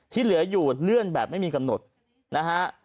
ที่เหลืออยู่เลื่อนแบบไม่มีกำหนดนะฮะ